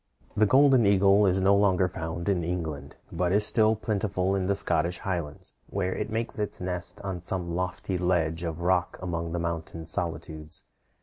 The golden eagle is no longer found in England, but is still plentiful in the Scottish Highlands, where it makes its nest on some lofty ledge of rock among the mountain solitudes.